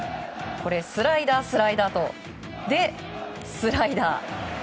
スライダー、スライダーそしてスライダー。